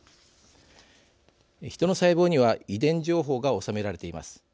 ヒトの細胞には遺伝情報が収められています。